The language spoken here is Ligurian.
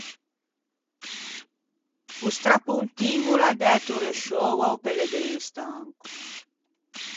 O strapontin o l’à dæto resciöo a-o pellegrin stanco.